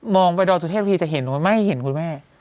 มองไปดอสุเทพทีจะเห็นมั้ยไม่ให้เห็นคุณแม่